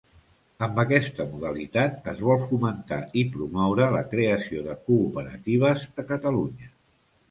Amb aquesta modalitat es vol fomentar i promoure la creació de cooperatives a Catalunya.